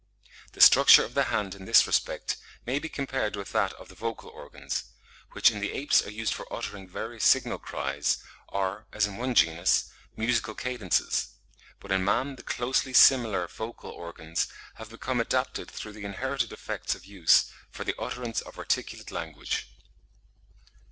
The structure of the hand in this respect may be compared with that of the vocal organs, which in the apes are used for uttering various signal cries, or, as in one genus, musical cadences; but in man the closely similar vocal organs have become adapted through the inherited effects of use for the utterance of articulate language.